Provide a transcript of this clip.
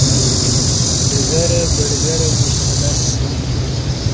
ڈگرہ بڈگرہ گوستہ لسہ